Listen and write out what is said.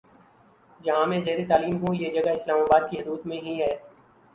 جہاں میں زیرتعلیم ہوں یہ جگہ اسلام آباد کی حدود میں ہی ہے